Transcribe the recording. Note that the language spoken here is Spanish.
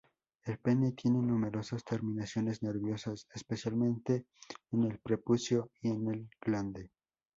El pene tiene numerosas terminaciones nerviosas, especialmente en el prepucio y en el glande.